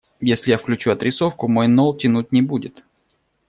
Если я включу отрисовку, мой ноут тянуть не будет.